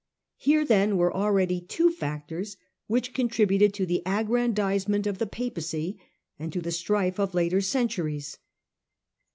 Here, then, were already two factors which contributed to the aggrandisement of the Papacy and to the strife of later centuries.